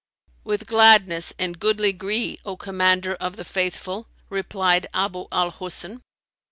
"With gladness and goodly gree, O Commander of the Faithful," replied Abu al Husn.